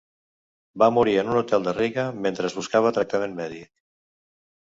Va morir en un hotel de Riga mentre buscava tractament mèdic.